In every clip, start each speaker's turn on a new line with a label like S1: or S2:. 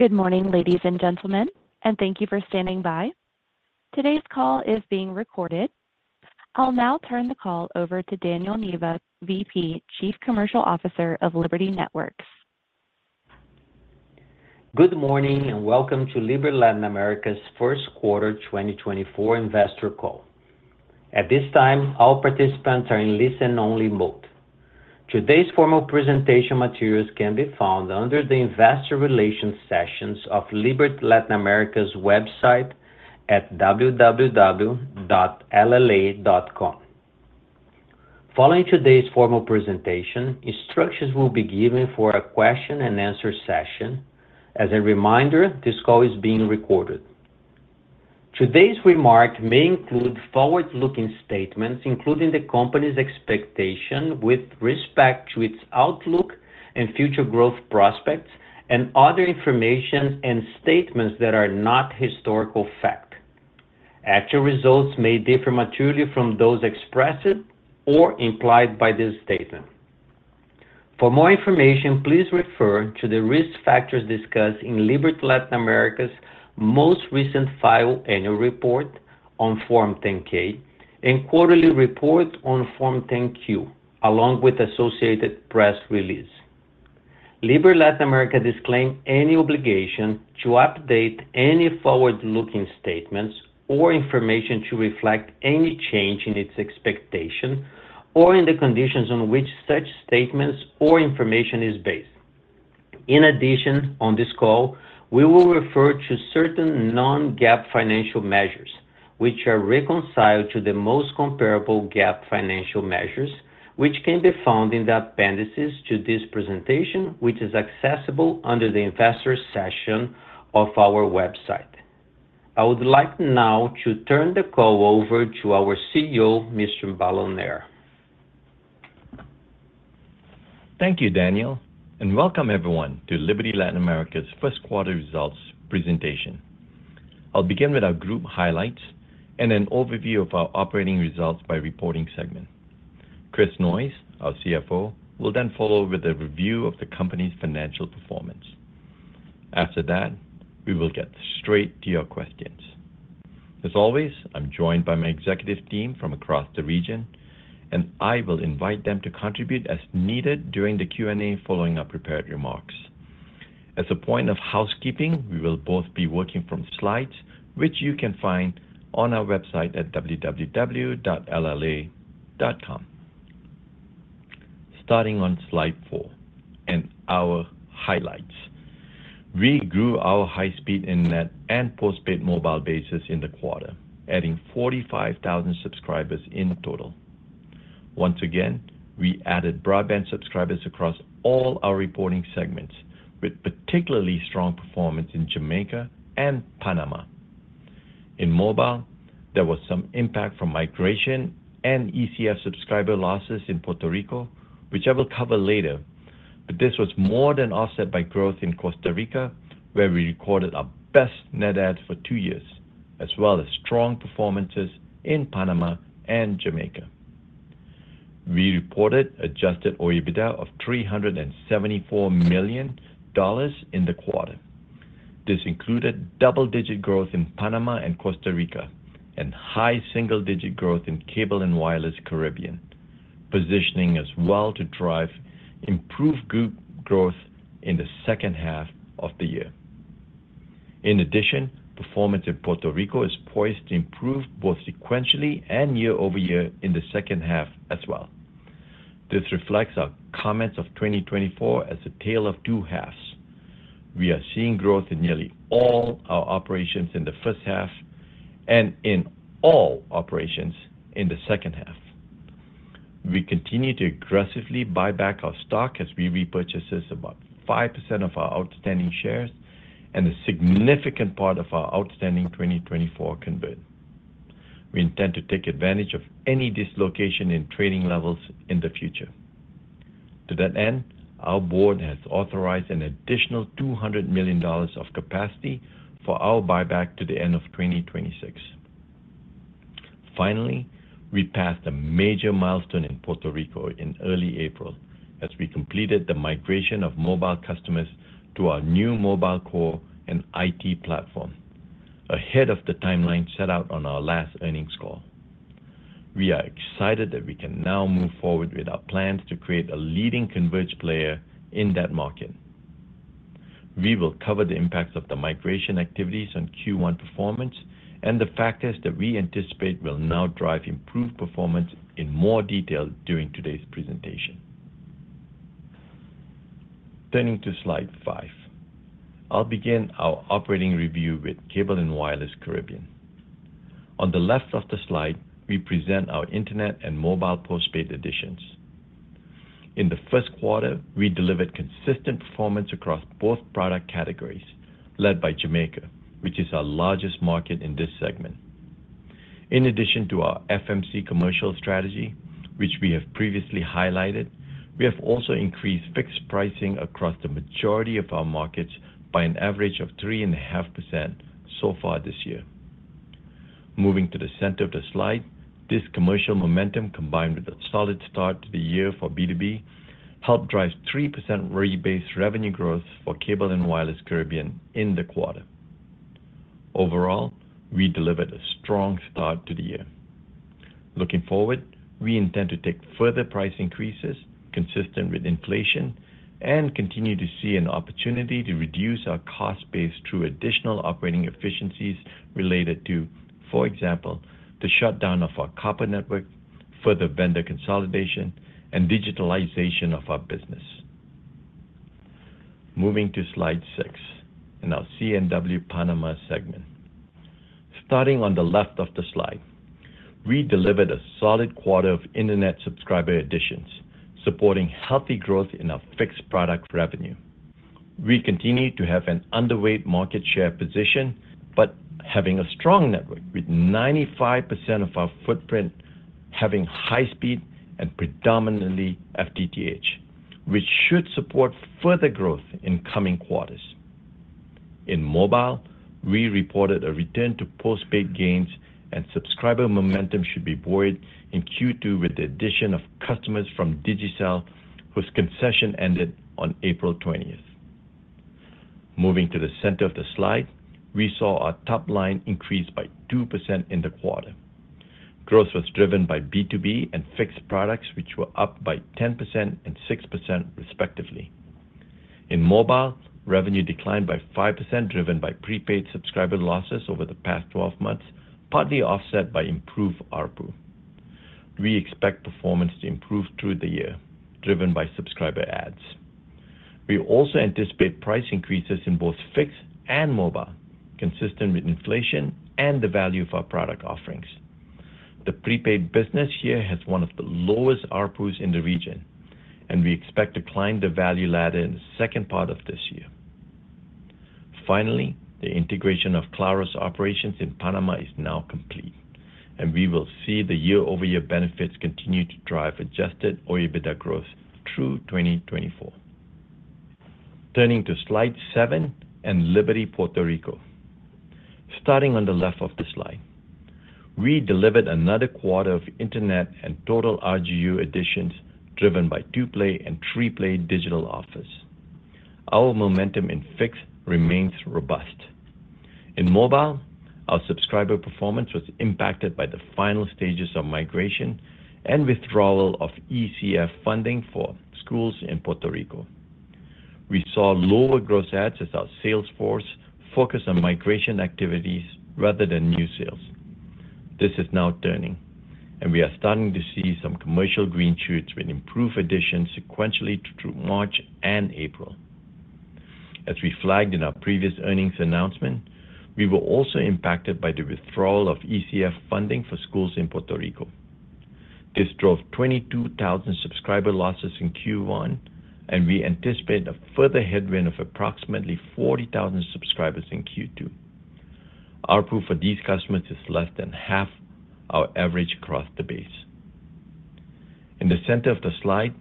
S1: Good morning, ladies and gentlemen, and thank you for standing by. Today's call is being recorded. I'll now turn the call over to Daniel Neiva, VP, Chief Commercial Officer of Liberty Networks.
S2: Good morning and welcome to Liberty Latin America's First Quarter 2024 Investor Call. At this time, all participants are in listen-only mode. Today's formal presentation materials can be found under the Investor Relations sessions of Liberty Latin America's website at www.lla.com. Following today's formal presentation, instructions will be given for a question-and-answer session. As a reminder, this call is being recorded. Today's remarks may include forward-looking statements, including the company's expectation with respect to its outlook and future growth prospects, and other information and statements that are not historical fact. Actual results may differ materially from those expressed or implied by this statement. For more information, please refer to the risk factors discussed in Liberty Latin America's most recent filed annual report on Form 10-K and quarterly report on Form 10-Q, along with associated press releases. Liberty Latin America disclaims any obligation to update any forward-looking statements or information to reflect any change in its expectation or in the conditions on which such statements or information is based. In addition, on this call, we will refer to certain non-GAAP financial measures, which are reconciled to the most comparable GAAP financial measures, which can be found in the appendices to this presentation, which is accessible under the investor section of our website. I would like now to turn the call over to our CEO, Mr. Balan Nair.
S3: Thank you, Daniel, and welcome everyone to Liberty Latin America's first quarter results presentation. I'll begin with our group highlights and an overview of our operating results by reporting segment. Chris Noyes, our CFO, will then follow with a review of the company's financial performance. After that, we will get straight to your questions. As always, I'm joined by my executive team from across the region, and I will invite them to contribute as needed during the Q&A following our prepared remarks. As a point of housekeeping, we will both be working from slides, which you can find on our website at www.lla.com. Starting on slide four and our highlights. We grew our high-speed internet and postpaid mobile basis in the quarter, adding 45,000 subscribers in total. Once again, we added broadband subscribers across all our reporting segments, with particularly strong performance in Jamaica and Panama. In mobile, there was some impact from migration and ECF subscriber losses in Puerto Rico, which I will cover later, but this was more than offset by growth in Costa Rica, where we recorded our best net adds for two years, as well as strong performances in Panama and Jamaica. We reported adjusted OIBDA of $374 million in the quarter. This included double-digit growth in Panama and Costa Rica, and high single-digit growth in Cable & Wireless Caribbean, positioning us well to drive improved group growth in the second half of the year. In addition, performance in Puerto Rico is poised to improve both sequentially and year-over-year in the second half as well. This reflects our comments of 2024 as a tale of two halves. We are seeing growth in nearly all our operations in the first half and in all operations in the second half. We continue to aggressively buy back our stock as we repurchase about 5% of our outstanding shares and a significant part of our outstanding 2024 convert. We intend to take advantage of any dislocation in trading levels in the future. To that end, our board has authorized an additional $200 million of capacity for our buyback to the end of 2026. Finally, we passed a major milestone in Puerto Rico in early April as we completed the migration of mobile customers to our new mobile core and IT platform, ahead of the timeline set out on our last earnings call. We are excited that we can now move forward with our plans to create a leading converged player in that market. We will cover the impacts of the migration activities on Q1 performance and the factors that we anticipate will now drive improved performance in more detail during today's presentation. Turning to slide 5. I'll begin our operating review with Cable & Wireless Caribbean. On the left of the slide, we present our internet and mobile postpaid additions. In the first quarter, we delivered consistent performance across both product categories, led by Jamaica, which is our largest market in this segment. In addition to our FMC commercial strategy, which we have previously highlighted, we have also increased fixed pricing across the majority of our markets by an average of 3.5% so far this year. Moving to the center of the slide, this commercial momentum, combined with a solid start to the year for B2B, helped drive 3% RGU-based revenue growth for Cable & Wireless Caribbean in the quarter. Overall, we delivered a strong start to the year. Looking forward, we intend to take further price increases consistent with inflation and continue to see an opportunity to reduce our cost base through additional operating efficiencies related to, for example, the shutdown of our copper network, further vendor consolidation, and digitalization of our business. Moving to slide six and our C&W Panama segment. Starting on the left of the slide, we delivered a solid quarter of internet subscriber additions, supporting healthy growth in our fixed product revenue. We continue to have an underweight market share position but having a strong network, with 95% of our footprint having high-speed and predominantly FTTH, which should support further growth in coming quarters. In mobile, we reported a return to postpaid gains, and subscriber momentum should be buoyed in Q2 with the addition of customers from Digicel, whose concession ended on April 20th. Moving to the center of the slide, we saw our top line increase by 2% in the quarter. Growth was driven by B2B and fixed products, which were up by 10% and 6% respectively. In mobile, revenue declined by 5%, driven by prepaid subscriber losses over the past 12 months, partly offset by improved ARPU. We expect performance to improve through the year, driven by subscriber adds. We also anticipate price increases in both fixed and mobile, consistent with inflation and the value of our product offerings. The prepaid business here has one of the lowest ARPUs in the region, and we expect to climb the value ladder in the second part of this year. Finally, the integration of Claro operations in Panama is now complete, and we will see the year-over-year benefits continue to drive adjusted OIBDA growth through 2024. Turning to slide seven and Liberty Puerto Rico. Starting on the left of the slide, we delivered another quarter of internet and total RGU additions, driven by two-play and three-play digital office. Our momentum in fixed remains robust. In mobile, our subscriber performance was impacted by the final stages of migration and withdrawal of ECF funding for schools in Puerto Rico. We saw lower growth adds as our sales force focused on migration activities rather than new sales. This is now turning, and we are starting to see some commercial green shoots with improved additions sequentially through March and April. As we flagged in our previous earnings announcement, we were also impacted by the withdrawal of ECF funding for schools in Puerto Rico. This drove 22,000 subscriber losses in Q1, and we anticipate a further headwind of approximately 40,000 subscribers in Q2. ARPU for these customers is less than half our average across the base. In the center of the slide,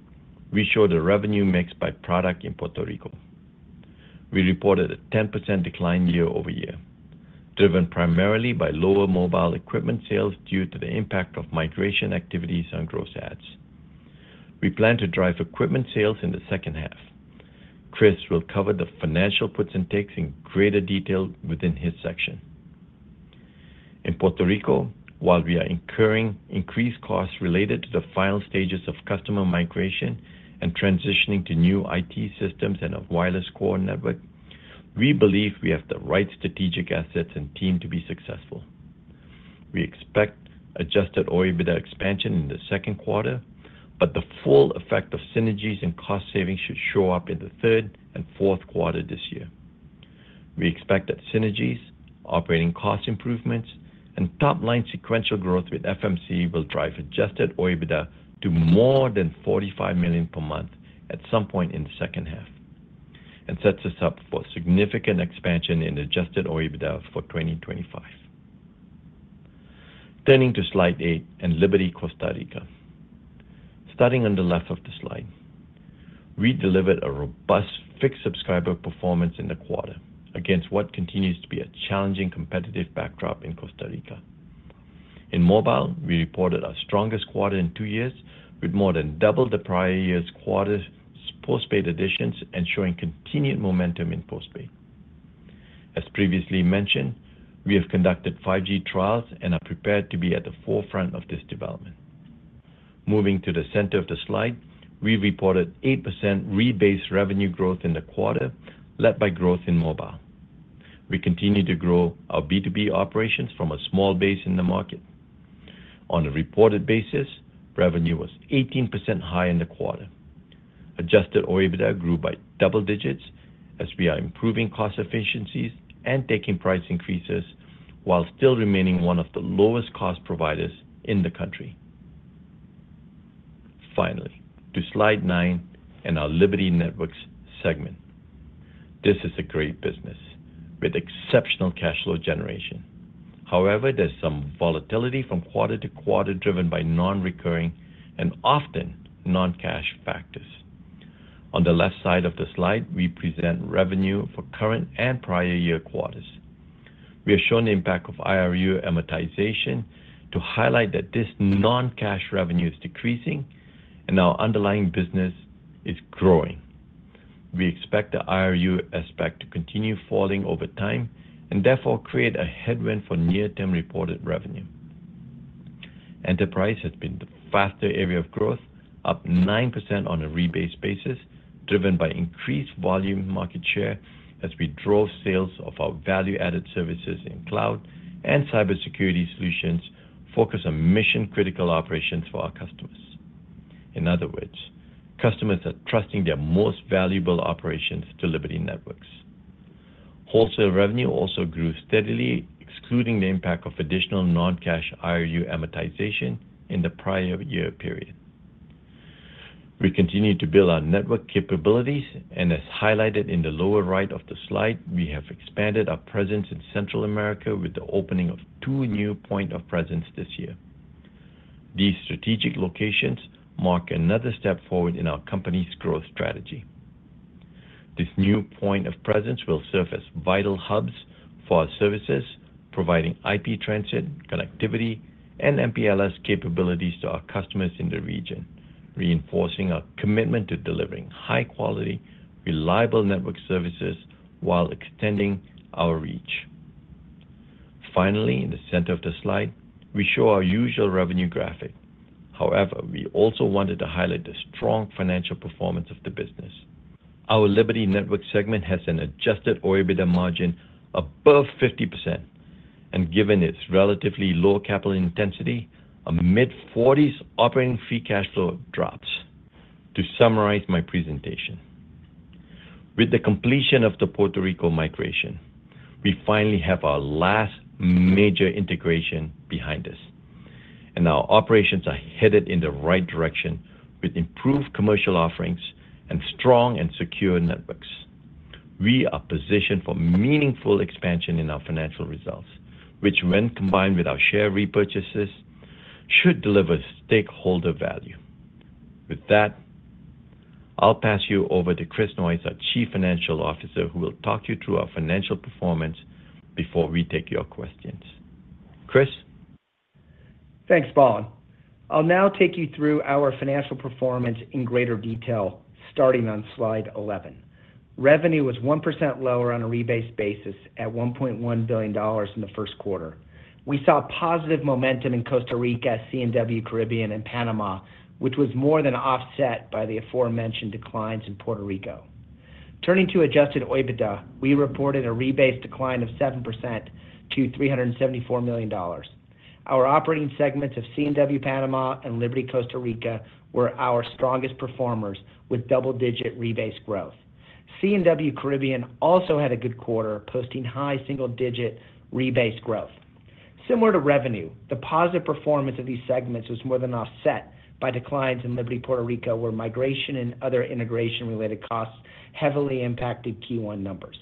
S3: we show the revenue mix by product in Puerto Rico. We reported a 10% decline year-over-year, driven primarily by lower mobile equipment sales due to the impact of migration activities on growth adds. We plan to drive equipment sales in the second half. Chris will cover the financial puts and takes in greater detail within his section. In Puerto Rico, while we are incurring increased costs related to the final stages of customer migration and transitioning to new IT systems and a wireless core network, we believe we have the right strategic assets and team to be successful. We expect adjusted OIBDA expansion in the second quarter, but the full effect of synergies and cost savings should show up in the third and fourth quarter this year. We expect that synergies, operating cost improvements, and top-line sequential growth with FMC will drive adjusted OIBDA to more than $45 million per month at some point in the second half and sets us up for significant expansion in adjusted OIBDA for 2025. Turning to slide eight and Liberty Costa Rica. Starting on the left of the slide, we delivered a robust fixed subscriber performance in the quarter against what continues to be a challenging competitive backdrop in Costa Rica. In mobile, we reported our strongest quarter in two years, with more than double the prior year's quarter's postpaid additions and showing continued momentum in postpaid. As previously mentioned, we have conducted 5G trials and are prepared to be at the forefront of this development. Moving to the center of the slide, we reported 8% RGU-based revenue growth in the quarter, led by growth in mobile. We continue to grow our B2B operations from a small base in the market. On a reported basis, revenue was 18% higher in the quarter. Adjusted OIBDA grew by double digits as we are improving cost efficiencies and taking price increases while still remaining one of the lowest-cost providers in the country. Finally, to slide nine and our Liberty Networks segment. This is a great business with exceptional cash flow generation. However, there's some volatility from quarter to quarter, driven by non-recurring and often non-cash factors. On the left side of the slide, we present revenue for current and prior year quarters. We have shown the impact of IRU amortization to highlight that this non-cash revenue is decreasing and our underlying business is growing. We expect the IRU aspect to continue falling over time and therefore create a headwind for near-term reported revenue. Enterprise has been the faster area of growth, up 9% on a reported basis, driven by increased volume market share as we drove sales of our value-added services in cloud and cybersecurity solutions focused on mission-critical operations for our customers. In other words, customers are trusting their most valuable operations to Liberty Networks. Wholesale revenue also grew steadily, excluding the impact of additional non-cash IRU amortization in the prior year period. We continue to build our network capabilities, and as highlighted in the lower right of the slide, we have expanded our presence in Central America with the opening of two new points of presence this year. These strategic locations mark another step forward in our company's growth strategy. This new point of presence will serve as vital hubs for our services, providing IP transit, connectivity, and MPLS capabilities to our customers in the region, reinforcing our commitment to delivering high-quality, reliable network services while extending our reach. Finally, in the center of the slide, we show our usual revenue graphic. However, we also wanted to highlight the strong financial performance of the business. Our Liberty Networks segment has an adjusted OIBDA margin above 50%, and given its relatively low capital intensity, a mid-40s operating free cash flow drop. To summarize my presentation, with the completion of the Puerto Rico migration, we finally have our last major integration behind us, and our operations are headed in the right direction with improved commercial offerings and strong and secure networks. We are positioned for meaningful expansion in our financial results, which, when combined with our share repurchases, should deliver stakeholder value. With that, I'll pass you over to Chris Noyes, our Chief Financial Officer, who will talk you through our financial performance before we take your questions. Chris?
S4: Thanks, Balan. I'll now take you through our financial performance in greater detail, starting on slide 11. Revenue was 1% lower on a rebased basis at $1.1 billion in the first quarter. We saw positive momentum in Costa Rica, C&W Caribbean, and Panama, which was more than offset by the aforementioned declines in Puerto Rico. Turning to adjusted OIBDA, we reported a rebased decline of 7% to $374 million. Our operating segments of C&W Panama and Liberty Costa Rica were our strongest performers, with double-digit rebased growth. C&W Caribbean also had a good quarter, posting high single-digit rebased growth. Similar to revenue, the positive performance of these segments was more than offset by declines in Liberty Puerto Rico, where migration and other integration-related costs heavily impacted Q1 numbers.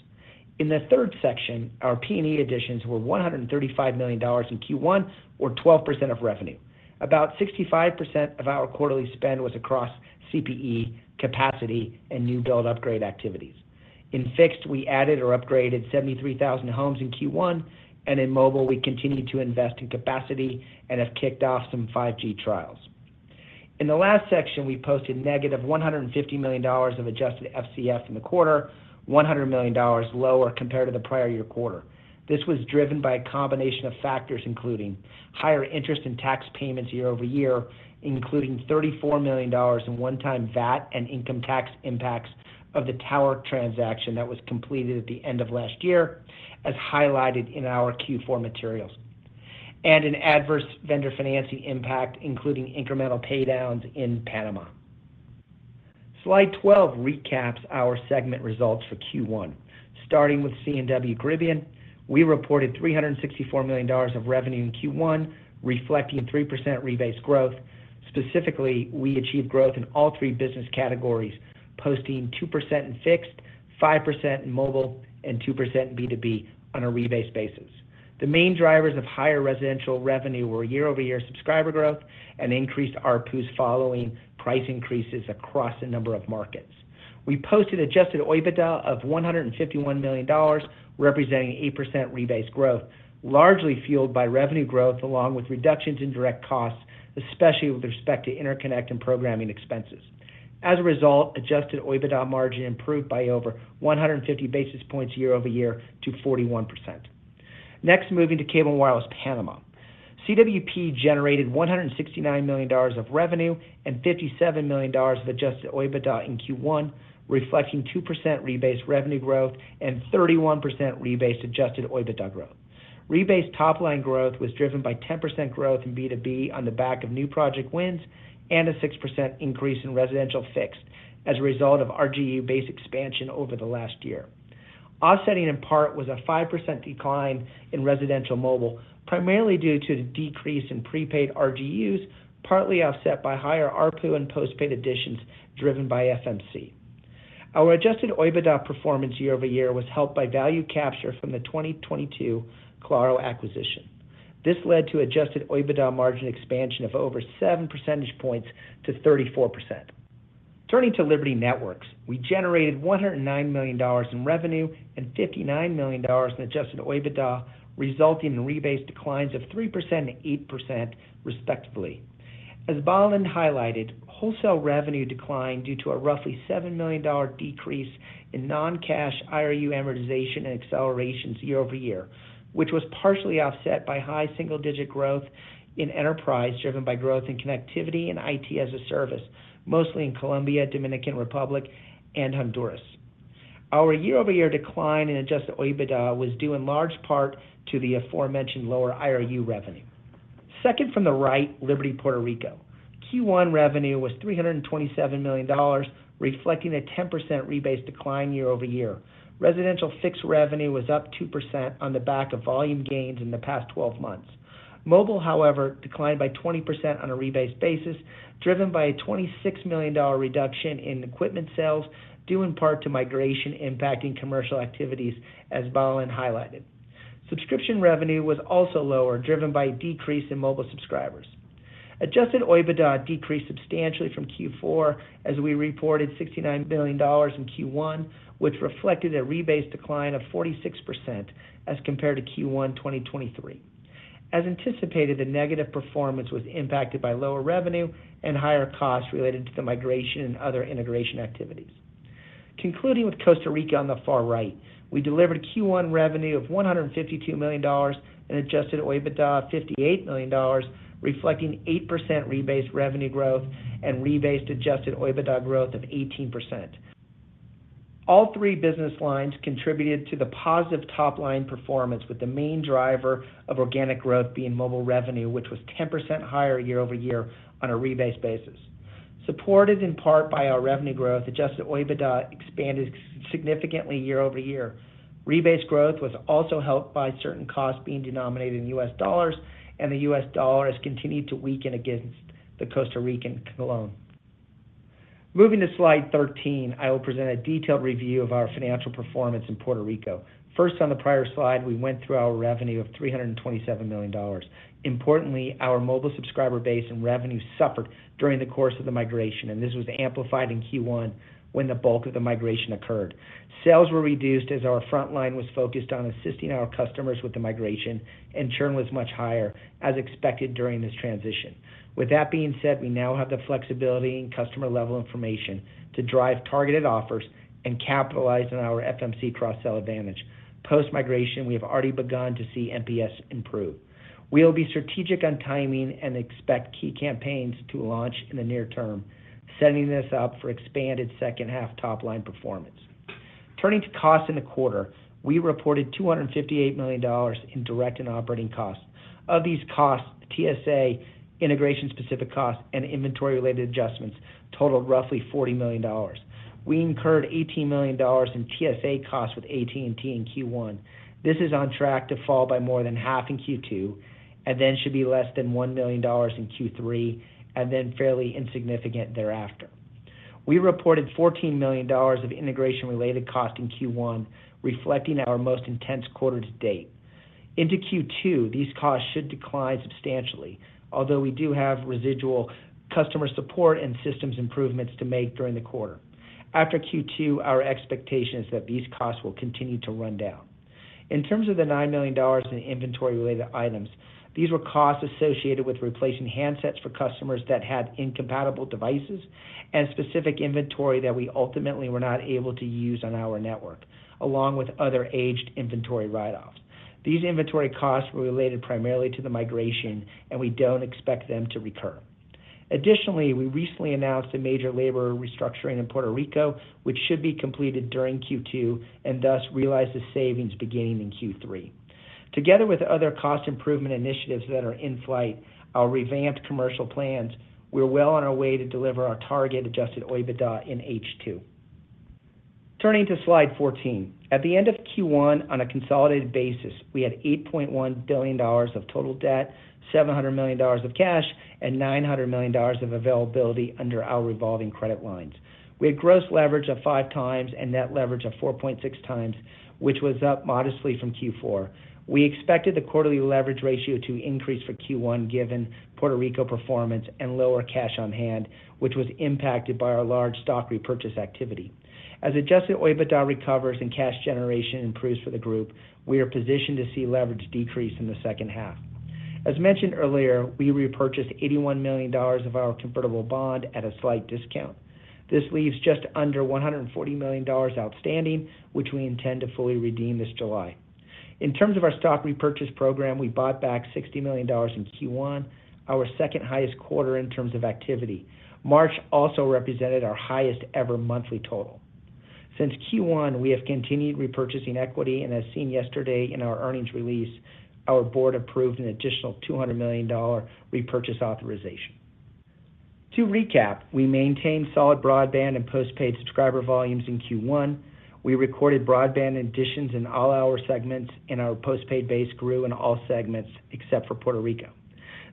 S4: In the third section, our P&E additions were $135 million in Q1, or 12% of revenue. About 65% of our quarterly spend was across CPE, capacity, and new build-upgrade activities. In fixed, we added or upgraded 73,000 homes in Q1, and in mobile, we continued to invest in capacity and have kicked off some 5G trials. In the last section, we posted -$150 million of adjusted FCF in the quarter, $100 million lower compared to the prior year quarter. This was driven by a combination of factors, including higher interest and tax payments year over year, including $34 million in one-time VAT and income tax impacts of the tower transaction that was completed at the end of last year, as highlighted in our Q4 materials, and an adverse vendor financing impact, including incremental paydowns in Panama. Slide 12 recaps our segment results for Q1. Starting with C&W Caribbean, we reported $364 million of revenue in Q1, reflecting 3% rebased growth. Specifically, we achieved growth in all three business categories, posting 2% in fixed, 5% in mobile, and 2% in B2B on a reported basis. The main drivers of higher residential revenue were year-over-year subscriber growth and increased ARPUs following price increases across a number of markets. We posted adjusted OIBDA of $151 million, representing 8% reported growth, largely fueled by revenue growth along with reductions in direct costs, especially with respect to interconnect and programming expenses. As a result, adjusted OIBDA margin improved by over 150 basis points year-over-year to 41%. Next, moving to Cable & Wireless Panama. CWP generated $169 million of revenue and $57 million of adjusted OIBDA in Q1, reflecting 2% reported revenue growth and 31% reported adjusted OIBDA growth. RGU-based top-line growth was driven by 10% growth in B2B on the back of new project wins and a 6% increase in residential fixed as a result of RGU-based expansion over the last year. Offsetting in part was a 5% decline in residential mobile, primarily due to the decrease in prepaid RGUs, partly offset by higher ARPU and postpaid additions driven by FMC. Our Adjusted OIBDA performance year-over-year was helped by value capture from the 2022 Claro acquisition. This led to Adjusted OIBDA margin expansion of over 7 percentage points to 34%. Turning to Liberty Networks, we generated $109 million in revenue and $59 million in Adjusted OIBDA, resulting in RGU-based declines of 3% and 8%, respectively. As Balan highlighted, wholesale revenue declined due to a roughly $7 million decrease in non-cash IRU amortization and accelerations year-over-year, which was partially offset by high single-digit growth in enterprise driven by growth in connectivity and IT as a service, mostly in Colombia, Dominican Republic, and Honduras. Our year-over-year decline in adjusted OIBDA was due in large part to the aforementioned lower IRU revenue. Second from the right, Liberty Puerto Rico. Q1 revenue was $327 million, reflecting a 10% REIT-based decline year-over-year. Residential fixed revenue was up 2% on the back of volume gains in the past 12 months. Mobile, however, declined by 20% on a REIT-based basis, driven by a $26 million reduction in equipment sales, due in part to migration impacting commercial activities, as Balan highlighted. Subscription revenue was also lower, driven by a decrease in mobile subscribers. Adjusted OIBDA decreased substantially from Q4, as we reported $69 million in Q1, which reflected a rebased decline of 46% as compared to Q1 2023. As anticipated, the negative performance was impacted by lower revenue and higher costs related to the migration and other integration activities. Concluding with Costa Rica on the far right, we delivered Q1 revenue of $152 million and adjusted OIBDA of $58 million, reflecting 8% rebased revenue growth and rebased adjusted OIBDA growth of 18%. All three business lines contributed to the positive top-line performance, with the main driver of organic growth being mobile revenue, which was 10% higher year-over-year on a rebased basis. Supported in part by our revenue growth, adjusted OIBDA expanded significantly year-over-year. Rebased growth was also helped by certain costs being denominated in US dollars, and the US dollar has continued to weaken against the Costa Rican Colón. Moving to slide 13, I will present a detailed review of our financial performance in Puerto Rico. First, on the prior slide, we went through our revenue of $327 million. Importantly, our mobile subscriber base and revenue suffered during the course of the migration, and this was amplified in Q1 when the bulk of the migration occurred. Sales were reduced as our front line was focused on assisting our customers with the migration, and churn was much higher, as expected during this transition. With that being said, we now have the flexibility and customer-level information to drive targeted offers and capitalize on our FMC cross-sell advantage. Post-migration, we have already begun to see MPS improve. We will be strategic on timing and expect key campaigns to launch in the near term, setting this up for expanded second-half top-line performance. Turning to costs in the quarter, we reported $258 million in direct and operating costs. Of these costs, TSA, integration-specific costs, and inventory-related adjustments totaled roughly $40 million. We incurred $18 million in TSA costs with AT&T in Q1. This is on track to fall by more than half in Q2 and then should be less than $1 million in Q3 and then fairly insignificant thereafter. We reported $14 million of integration-related costs in Q1, reflecting our most intense quarter to date. Into Q2, these costs should decline substantially, although we do have residual customer support and systems improvements to make during the quarter. After Q2, our expectation is that these costs will continue to run down. In terms of the $9 million in inventory-related items, these were costs associated with replacing handsets for customers that had incompatible devices and specific inventory that we ultimately were not able to use on our network, along with other aged inventory write-offs. These inventory costs were related primarily to the migration, and we don't expect them to recur. Additionally, we recently announced a major labor restructuring in Puerto Rico, which should be completed during Q2 and thus realize the savings beginning in Q3. Together with other cost improvement initiatives that are in flight, our revamped commercial plans, we're well on our way to deliver our target adjusted OIBDA in H2. Turning to slide 14. At the end of Q1, on a consolidated basis, we had $8.1 billion of total debt, $700 million of cash, and $900 million of availability under our revolving credit lines. We had gross leverage of 5x and net leverage of 4.6x, which was up modestly from Q4. We expected the quarterly leverage ratio to increase for Q1 given Puerto Rico performance and lower cash on hand, which was impacted by our large stock repurchase activity. As Adjusted OIBDA recovers and cash generation improves for the group, we are positioned to see leverage decrease in the second half. As mentioned earlier, we repurchased $81 million of our convertible bond at a slight discount. This leaves just under $140 million outstanding, which we intend to fully redeem this July. In terms of our stock repurchase program, we bought back $60 million in Q1, our second-highest quarter in terms of activity. March also represented our highest-ever monthly total. Since Q1, we have continued repurchasing equity and, as seen yesterday in our earnings release, our board approved an additional $200 million repurchase authorization. To recap, we maintained solid broadband and postpaid subscriber volumes in Q1. We recorded broadband additions in all our segments and our postpaid base grew in all segments except for Puerto Rico.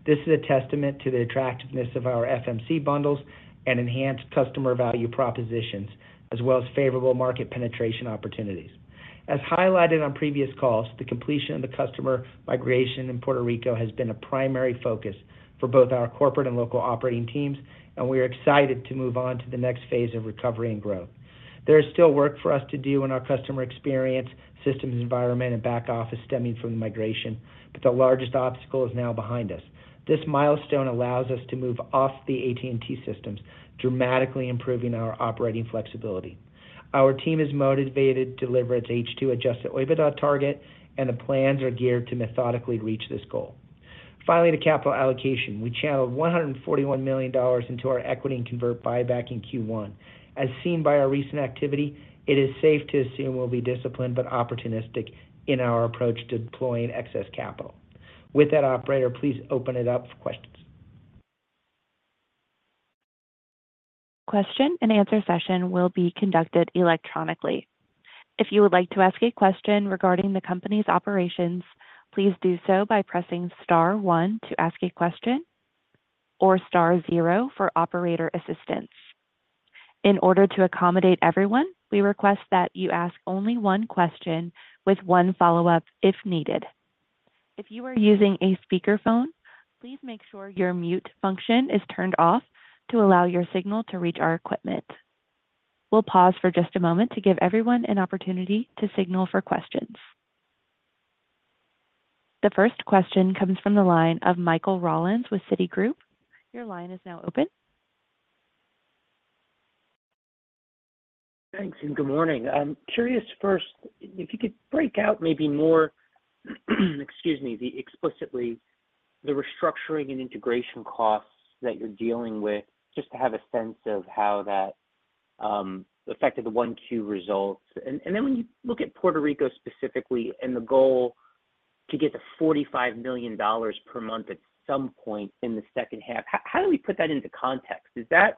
S4: This is a testament to the attractiveness of our FMC bundles and enhanced customer value propositions, as well as favorable market penetration opportunities. As highlighted on previous calls, the completion of the customer migration in Puerto Rico has been a primary focus for both our corporate and local operating teams, and we are excited to move on to the next phase of recovery and growth. There is still work for us to do in our customer experience, systems environment, and back office stemming from the migration, but the largest obstacle is now behind us. This milestone allows us to move off the AT&T systems, dramatically improving our operating flexibility. Our team is motivated to deliver its H2 Adjusted OIBDA target, and the plans are geared to methodically reach this goal. Finally, to capital allocation, we channeled $141 million into our equity and convertible buyback in Q1. As seen by our recent activity, it is safe to assume we'll be disciplined but opportunistic in our approach to deploying excess capital. With that, operator, please open it up for questions.
S1: Question and answer session will be conducted electronically. If you would like to ask a question regarding the company's operations, please do so by pressing star one to ask a question or star 0 for operator assistance. In order to accommodate everyone, we request that you ask only one question with one follow-up if needed. If you are using a speakerphone, please make sure your mute function is turned off to allow your signal to reach our equipment. We'll pause for just a moment to give everyone an opportunity to signal for questions. The first question comes from the line of Michael Rollins with Citigroup. Your line is now open.
S5: Thanks, and good morning. I'm curious first if you could break out maybe more, excuse me, the restructuring and integration costs that you're dealing with, just to have a sense of how that affected the 1Q results. And then when you look at Puerto Rico specifically and the goal to get to $45 million per month at some point in the second half, how do we put that into context? Is that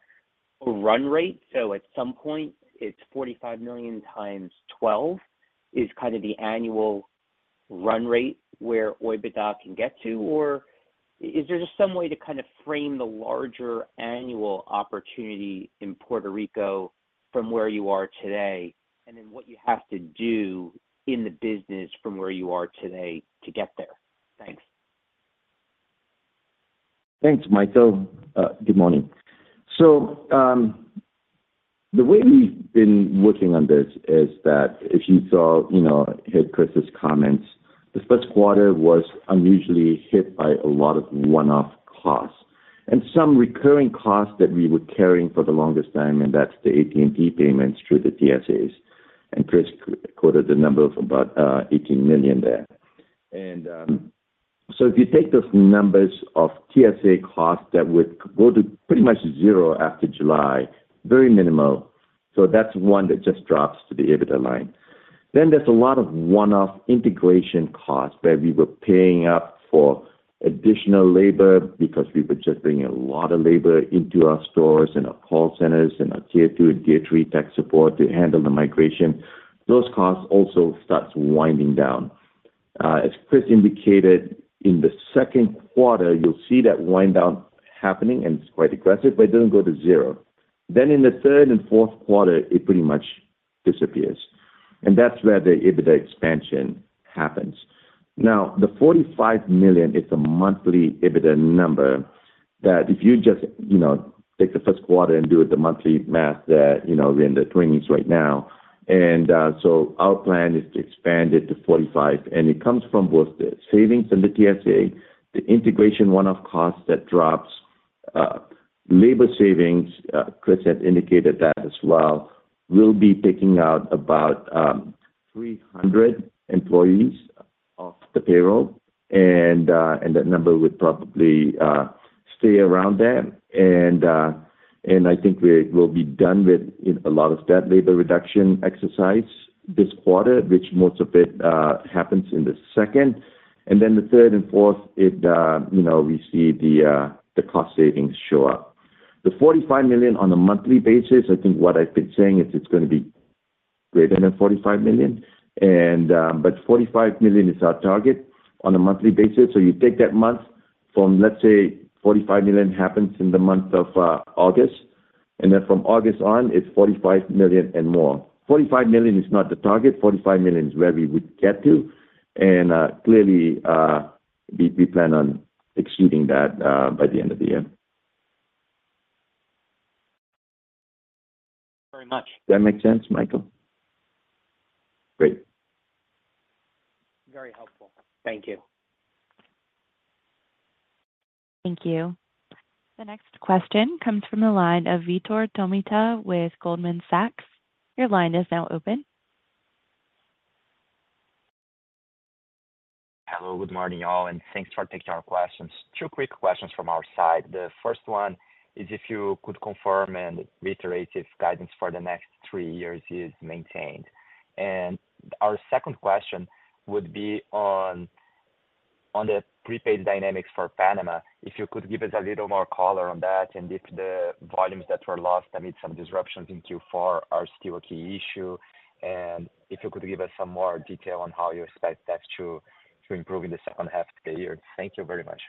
S5: a run rate? So at some point, it's 45 million x 12 is kind of the annual run rate where OIBDA can get to, or is there just some way to kind of frame the larger annual opportunity in Puerto Rico from where you are today and then what you have to do in the business from where you are today to get there? Thanks.
S3: Thanks, Michael. Good morning. So the way we've been working on this is that if you saw, heard Chris's comments, the first quarter was unusually hit by a lot of one-off costs and some recurring costs that we were carrying for the longest time, and that's the AT&T payments through the TSAs. And Chris quoted a number of about $18 million there. And so if you take those numbers of TSA costs that would go to pretty much zero after July, very minimal, so that's one that just drops to the OIBDA line. Then there's a lot of one-off integration costs where we were paying up for additional labor because we were just bringing a lot of labor into our stores and our call centers and our tier two and tier three tech support to handle the migration. Those costs also start winding down. As Chris indicated, in the second quarter, you'll see that wind-down happening, and it's quite aggressive, but it doesn't go to zero. Then in the third and fourth quarter, it pretty much disappears. That's where the OIBDA expansion happens. Now, the $45 million is a monthly OIBDA number that if you just take the first quarter and do the monthly math there, we're in the $20s million right now. So our plan is to expand it to $45 million, and it comes from both the savings in the TSA, the integration one-off costs that drops, labor savings, Chris had indicated that as well, will be picking out about 300 employees off the payroll, and that number would probably stay around there. I think we'll be done with a lot of that labor reduction exercise this quarter, which most of it happens in the second. And then the third and fourth, we see the cost savings show up. The $45 million on a monthly basis, I think what I've been saying is it's going to be greater than $45 million, but $45 million is our target on a monthly basis. So you take that month from, let's say, $45 million happens in the month of August, and then from August on, it's $45 million and more. $45 million is not the target. $45 million is where we would get to. And clearly, we plan on exceeding that by the end of the year.
S5: Very much.
S3: Does that make sense, Michael? Great.
S6: Very helpful. Thank you.
S1: Thank you. The next question comes from the line of Vitor Tomita with Goldman Sachs. Your line is now open.
S7: Hello. Good morning, y'all, and thanks for taking our questions. Two quick questions from our side. The first one is if you could confirm and reiterate if guidance for the next three years is maintained. Our second question would be on the prepaid dynamics for Panama, if you could give us a little more color on that and if the volumes that were lost amid some disruptions in Q4 are still a key issue, and if you could give us some more detail on how you expect that to improve in the second half of the year. Thank you very much.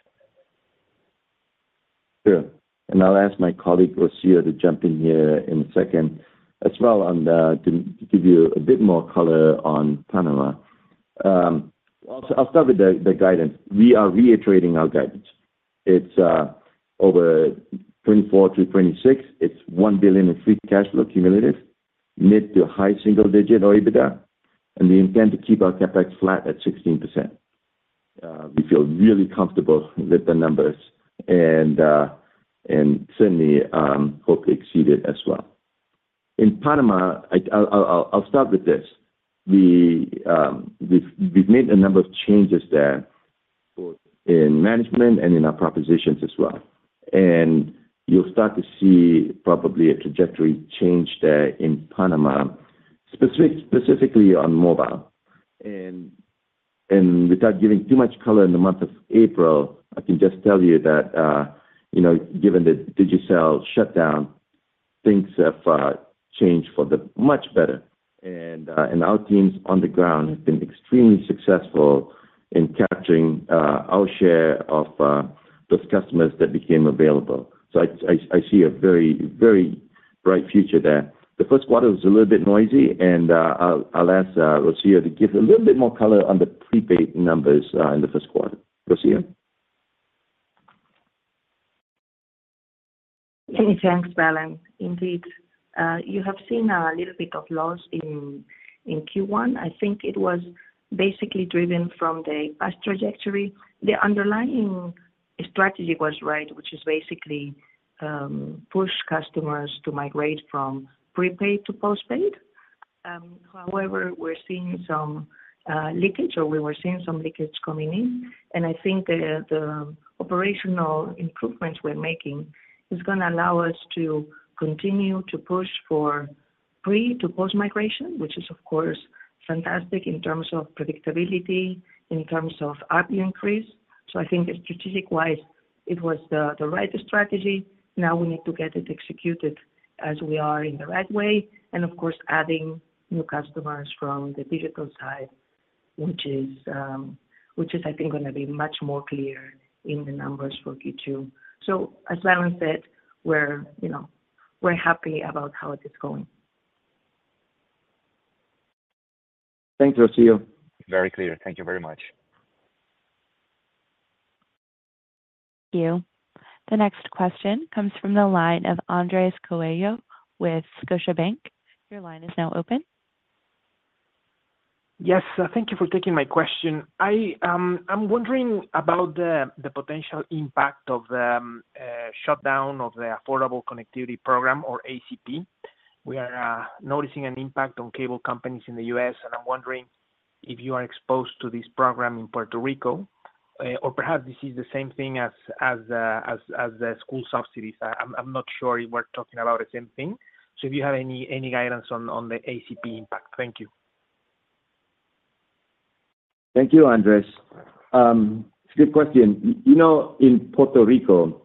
S3: Sure. I'll ask my colleague Rocío to jump in here in a second as well to give you a bit more color on Panama. I'll start with the guidance. We are reiterating our guidance. Over 2024-2026, it's $1 billion in free cash flow cumulative mid- to high-single-digit OIBDA, and we intend to keep our CapEx flat at 16%. We feel really comfortable with the numbers and certainly hope to exceed it as well. In Panama, I'll start with this. We've made a number of changes there in management and in our propositions as well. You'll start to see probably a trajectory change there in Panama, specifically on mobile. Without giving too much color in the month of April, I can just tell you that given the Digicel shutdown, things have changed for much the better. Our teams on the ground have been extremely successful in capturing our share of those customers that became available. I see a very, very bright future there. The first quarter was a little bit noisy, and I'll ask Rocío to give a little bit more color on the prepaid numbers in the first quarter. Rocío?
S8: Thanks, Balan. Indeed. You have seen a little bit of loss in Q1. I think it was basically driven from the past trajectory. The underlying strategy was right, which is basically push customers to migrate from prepaid to postpaid. However, we're seeing some leakage, or we were seeing some leakage coming in. And I think the operational improvements we're making is going to allow us to continue to push for pre to post-migration, which is, of course, fantastic in terms of predictability, in terms of ARPU increase. So I think strategic-wise, it was the right strategy. Now we need to get it executed as we are in the right way and, of course, adding new customers from the digital side, which is, I think, going to be much more clear in the numbers for Q2. So as Balan said, we're happy about how it is going.
S3: Thanks, Rocío.
S7: Very clear. Thank you very much.
S1: Thank you. The next question comes from the line of Andrés Coello with Scotiabank. Your line is now open.
S9: Yes. Thank you for taking my question. I'm wondering about the potential impact of the shutdown of the Affordable Connectivity Program or ACP. We are noticing an impact on cable companies in the U.S., and I'm wondering if you are exposed to this program in Puerto Rico, or perhaps this is the same thing as the school subsidies. I'm not sure if we're talking about the same thing. So if you have any guidance on the ACP impact, thank you.
S3: Thank you, Andrés. It's a good question. In Puerto Rico,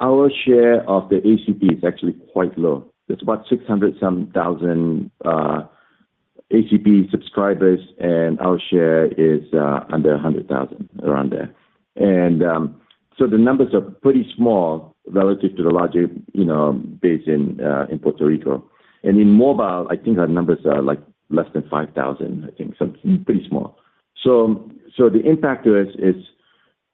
S3: our share of the ACP is actually quite low. There's about 600,000 ACP subscribers, and our share is under 100,000, around there. And in mobile, I think our numbers are less than 5,000, I think, so pretty small. So the impact to us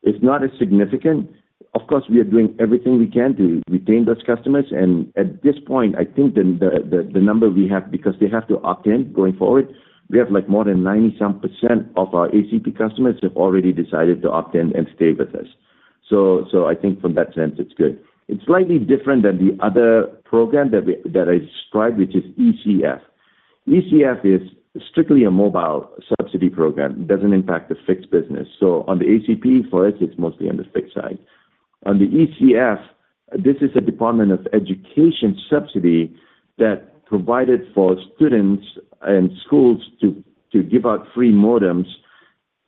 S3: is not as significant. Of course, we are doing everything we can to retain those customers. And at this point, I think the number we have because they have to opt in going forward, we have more than 90% of our ACP customers have already decided to opt in and stay with us. So I think from that sense, it's good. It's slightly different than the other program that I described, which is ECF. ECF is strictly a mobile subsidy program. It doesn't impact the fixed business. So on the ACP, for us, it's mostly on the fixed side. On the ECF, this is a Department of Education subsidy that provided for students and schools to give out free modems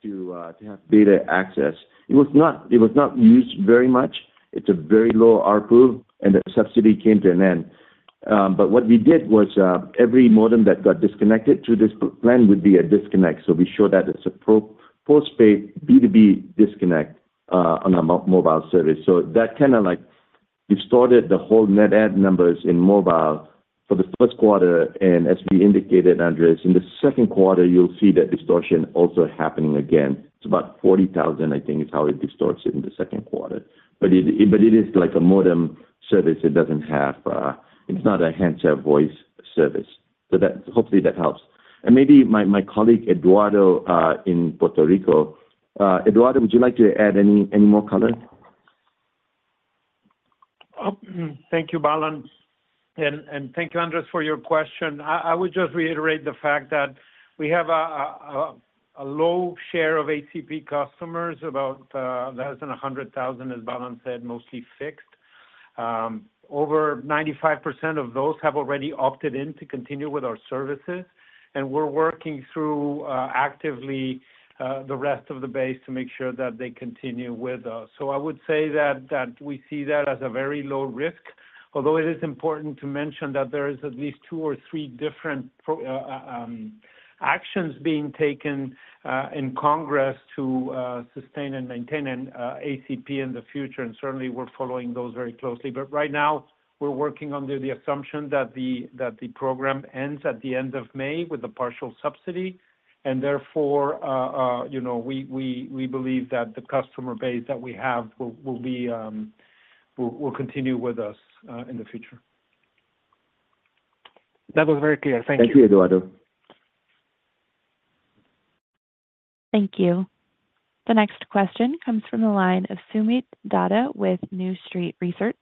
S3: to have data access. It was not used very much. It's a very low RPU, and the subsidy came to an end. But what we did was every modem that got disconnected through this plan would be a disconnect. So we show that it's a postpaid B2B disconnect on a mobile service. So that kind of distorted the whole net add numbers in mobile for the first quarter. And as we indicated, Andrés, in the second quarter, you'll see that distortion also happening again. It's about 40,000, I think, is how it distorts it in the second quarter. But it is a modem service. It doesn't have. It's not a handset voice service. So hopefully, that helps. And maybe my colleague Eduardo in Puerto Rico, Eduardo, would you like to add any more color?
S10: Thank you, Balan. Thank you, Andrés, for your question. I would just reiterate the fact that we have a low share of ACP customers, about less than 100,000, as Balan said, mostly fixed. Over 95% of those have already opted in to continue with our services, and we're working through actively the rest of the base to make sure that they continue with us. I would say that we see that as a very low risk, although it is important to mention that there is at least two or three different actions being taken in Congress to sustain and maintain an ACP in the future. Certainly, we're following those very closely. Right now, we're working under the assumption that the program ends at the end of May with a partial subsidy. Therefore, we believe that the customer base that we have will continue with us in the future. That was very clear. Thank you.
S3: Thank you, Eduardo.
S1: Thank you. The next question comes from the line of Soomit Datta with New Street Research.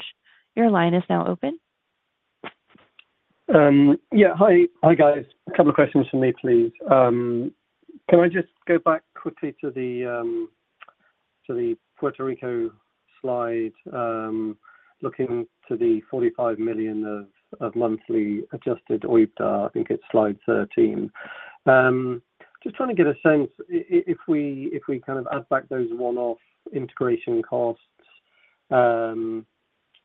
S1: Your line is now open.
S11: Yeah. Hi, guys. A couple of questions from me, please. Can I just go back quickly to the Puerto Rico slide looking to the $45 million of monthly adjusted OIBDA? I think it's slide 13. Just trying to get a sense, if we kind of add back those one-off integration costs,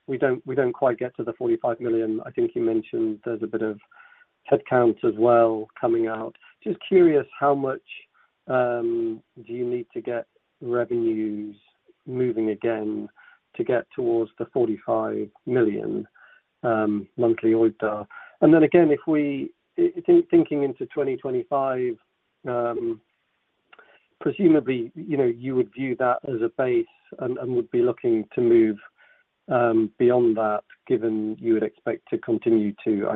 S11: we don't quite get to the $45 million. I think you mentioned there's a bit of headcount as well coming out. Just curious, how much do you need to get revenues moving again to get towards the $45 million monthly OIBDA? And then again, thinking into 2025, presumably, you would view that as a base and would be looking to move beyond that given you would expect to continue to,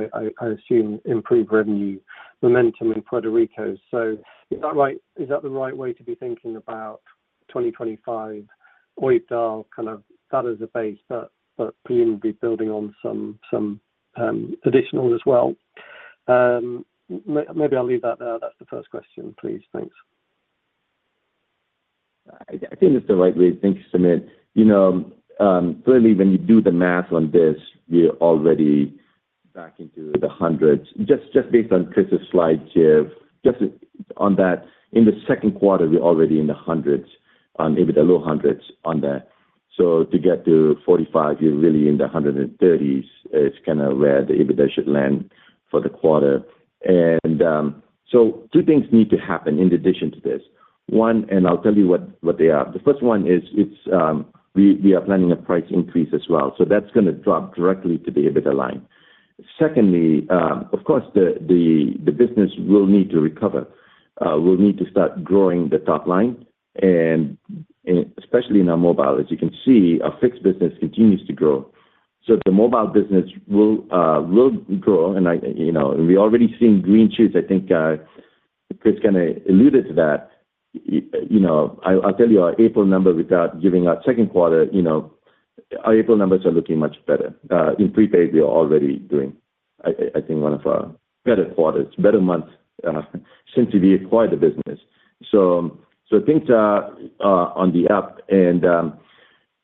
S11: I assume, improve revenue momentum in Puerto Rico. So is that the right way to be thinking about 2025 OIBDA kind of that as a base but presumably building on some additional as well? Maybe I'll leave that there. That's the first question, please. Thanks.
S3: I think that's the right way. Thank you, Soomit. Clearly, when you do the math on this, we're already back into the hundreds. Just based on Chris's slide here, just on that, in the second quarter, we're already in the hundreds, maybe the low hundreds on there. So to get to 45, you're really in the 130s. It's kind of where the OIBDA should land for the quarter. And so two things need to happen in addition to this. One, and I'll tell you what they are. The first one is we are planning a price increase as well. So that's going to drop directly to the OIBDA line. Secondly, of course, the business will need to recover. We'll need to start growing the top line. And especially in our mobile, as you can see, our fixed business continues to grow. So the mobile business will grow. We're already seeing green shoots. I think Chris kind of alluded to that. I'll tell you, our April number without giving out second quarter, our April numbers are looking much better. In prepaid, we are already doing, I think, one of our better quarters, better months since we acquired the business. Things are on the up.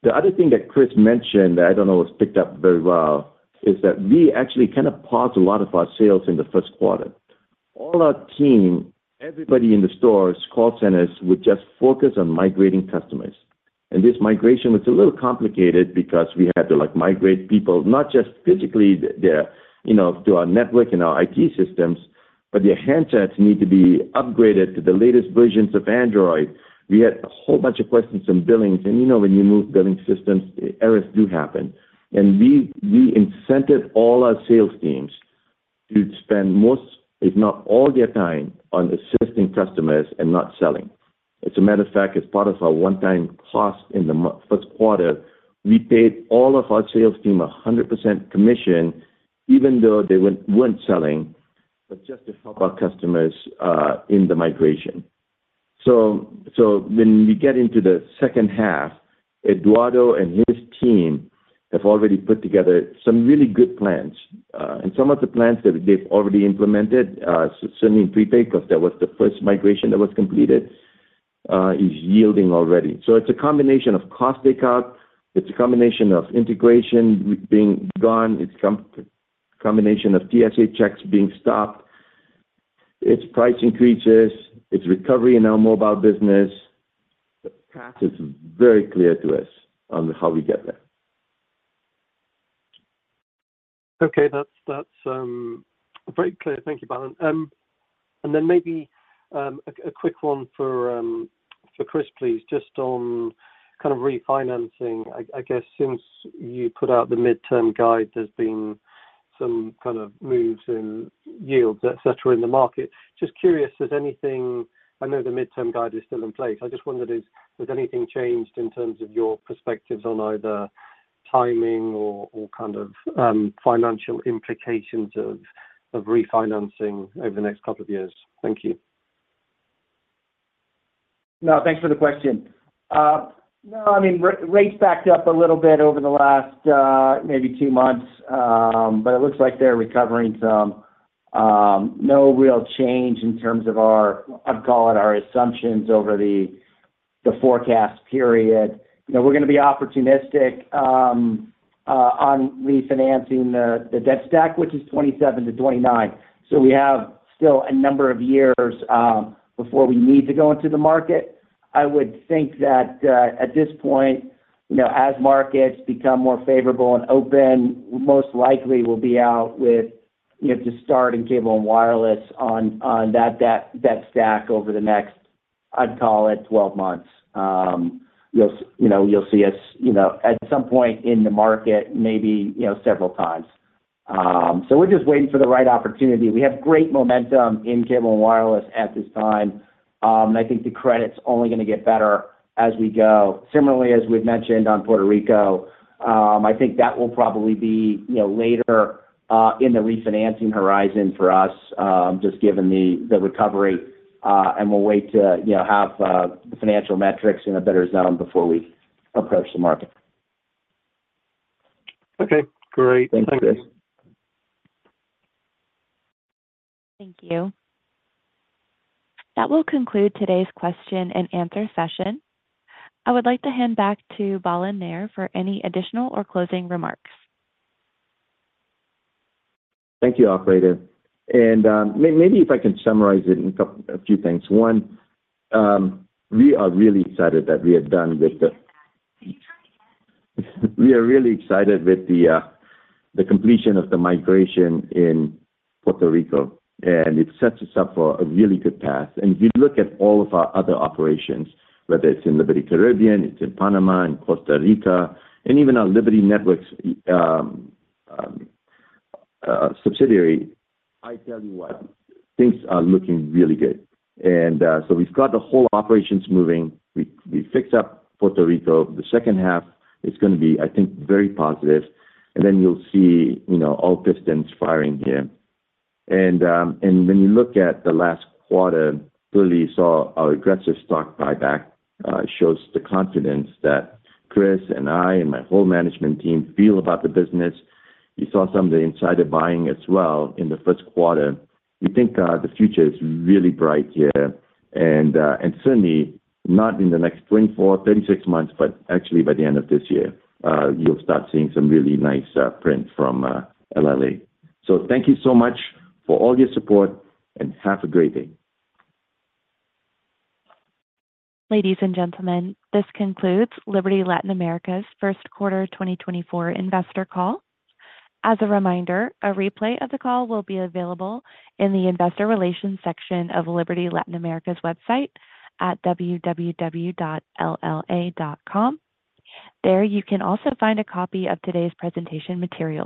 S3: The other thing that Chris mentioned that I don't know was picked up very well is that we actually kind of paused a lot of our sales in the first quarter. All our team, everybody in the stores, call centers would just focus on migrating customers. This migration was a little complicated because we had to migrate people not just physically to our network and our IT systems, but their handsets need to be upgraded to the latest versions of Android. We had a whole bunch of questions on billings. When you move billing systems, errors do happen. We incented all our sales teams to spend most, if not all, their time on assisting customers and not selling. As a matter of fact, as part of our one-time cost in the first quarter, we paid all of our sales team 100% commission even though they weren't selling, but just to help our customers in the migration. When we get into the second half, Eduardo and his team have already put together some really good plans. Some of the plans that they've already implemented, certainly in prepaid because that was the first migration that was completed, is yielding already. It's a combination of cost takeout. It's a combination of integration being gone. It's a combination of TSA checks being stopped. It's price increases. It's recovery in our mobile business. The path is very clear to us on how we get there.
S11: Okay. That's very clear. Thank you, Balan. And then maybe a quick one for Chris, please, just on kind of refinancing. I guess since you put out the midterm guide, there's been some kind of moves in yields, etc., in the market. Just curious, I know the midterm guide is still in place. I just wondered, has anything changed in terms of your perspectives on either timing or kind of financial implications of refinancing over the next couple of years? Thank you.
S4: No. Thanks for the question. No. I mean, rates backed up a little bit over the last maybe two months, but it looks like they're recovering some. No real change in terms of our, I'd call it, our assumptions over the forecast period. We're going to be opportunistic on refinancing the debt stack, which is 27-29. So we have still a number of years before we need to go into the market. I would think that at this point, as markets become more favorable and open, we most likely will be out with just starting Cable and Wireless on that debt stack over the next, I'd call it, 12 months. You'll see us at some point in the market, maybe several times. So we're just waiting for the right opportunity. We have great momentum in Cable and Wireless at this time. I think the credit's only going to get better as we go. Similarly, as we've mentioned on Puerto Rico, I think that will probably be later in the refinancing horizon for us just given the recovery. We'll wait to have the financial metrics in a better zone before we approach the market.
S11: Okay. Great. Thank you.
S1: Thank you. That will conclude today's question and answer session. I would like to hand back to Balan Nair for any additional or closing remarks.
S3: Thank you, Operator. Maybe if I can summarize it in a few things. One, we are really excited that we are done with the completion of the migration in Puerto Rico. And it sets us up for a really good path. And if you look at all of our other operations, whether it's in Liberty Caribbean, it's in Panama, in Costa Rica, and even our Liberty Networks subsidiary, I tell you what, things are looking really good. And so we've got the whole operations moving. We fixed up Puerto Rico. The second half is going to be, I think, very positive. And then you'll see all pistons firing here. And when you look at the last quarter, clearly, you saw our aggressive stock buyback shows the confidence that Chris and I and my whole management team feel about the business. You saw some of the insider buying as well in the first quarter. We think the future is really bright here. And certainly, not in the next 24, 36 months, but actually by the end of this year, you'll start seeing some really nice prints from LLA. So thank you so much for all your support, and have a great day.
S1: Ladies and gentlemen, this concludes Liberty Latin America's first quarter 2024 investor call. As a reminder, a replay of the call will be available in the investor relations section of Liberty Latin America's website at www.lla.com. There, you can also find a copy of today's presentation material.